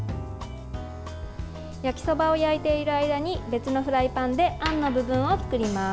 焼きそばを焼いている間に別のフライパンであんの部分を作ります。